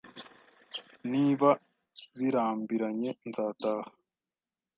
Niba birambiranye, nzataha.